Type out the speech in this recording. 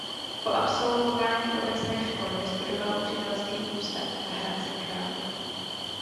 Po absolvování obecné školy vystudoval učitelský ústav v Hradci Králové.